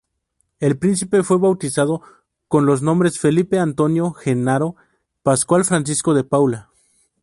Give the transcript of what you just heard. El Príncipe fue bautizado con los nombres: "Felipe Antonio Jenaro Pascual Francisco de Paula".